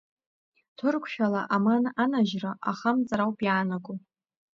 Ҭырқәшәала аман анажьра, ахамҵара ауп иаанаго.